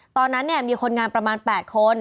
ตอนนั้นมีคนงานประมาณ๘คน